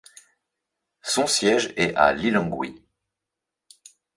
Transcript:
Son siège est à Lilongwe.